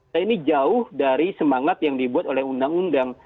nah ini jauh dari semangat yang dibuat oleh undang undang